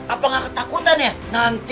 apakah takutannya nanti